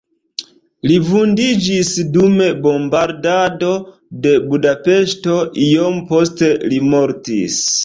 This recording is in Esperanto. Li vundiĝis dum bombardado de Budapeŝto, iom poste li mortis.